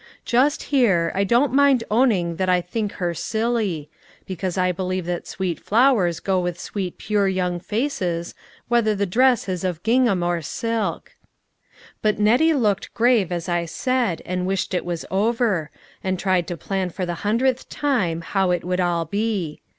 Just here, I don't mind owning that I think her silly ; because I be lieve that sweet flowers go with sweet pure young faces, whether the dress is of gingham or silk. But Nettie looked grave, as I said, and wished it was over ; and tried to plan for the hundredth time, how it would all be.